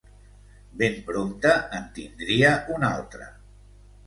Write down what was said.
Ben prompte en tindria un altre.